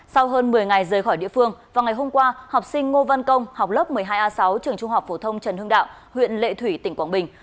sau hơn một mươi ngày rời khỏi địa phương vào ngày hôm qua học sinh ngô văn công học lớp một mươi hai a sáu trường trung học phổ thông trần hưng đạo huyện lệ thủy tỉnh quảng bình